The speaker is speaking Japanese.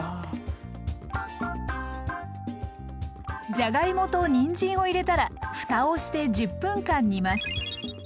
じゃがいもとにんじんを入れたらふたをして１０分間煮ます。